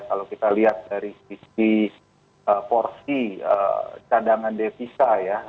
kalau kita lihat dari sisi porsi cadangan devisa ya